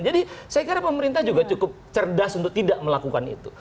jadi saya kira pemerintah juga cukup cerdas untuk tidak melakukan itu